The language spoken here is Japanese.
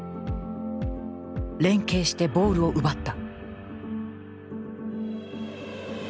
連係してボールを奪った。